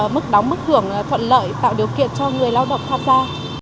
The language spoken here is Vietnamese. mức đóng mức hưởng thuận lợi tạo điều kiện cho người lao động tham gia